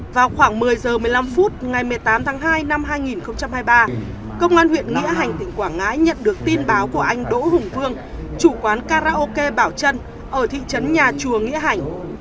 vào khoảng một mươi h một mươi năm phút ngày một mươi tám tháng hai năm hai nghìn hai mươi ba công an huyện nghĩa hành tỉnh quảng ngãi nhận được tin báo của anh đỗ hùng phương chủ quán karaoke bảo trân ở thị trấn nhà chùa nghĩa hành